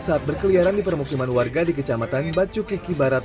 saat berkeliaran di permukiman warga di kecamatan bacukiki barat